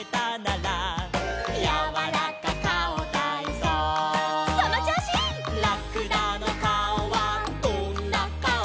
「らくだのかおはどんなかお」